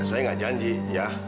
ya saya gak janji ya